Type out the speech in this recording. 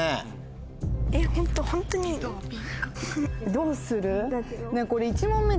どうする？